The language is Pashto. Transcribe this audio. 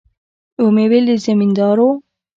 ومې ويل د زمينداورو.